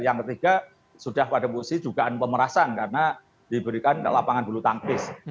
yang ketiga sudah pada posisi dugaan pemerasan karena diberikan lapangan bulu tangkis